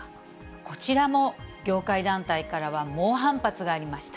こちらも業界団体からは猛反発がありました。